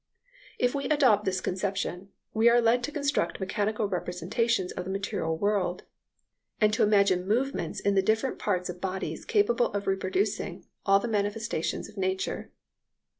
If we adopt this conception, we are led to construct mechanical representations of the material world, and to imagine movements in the different parts of bodies capable of reproducing all the manifestations of nature.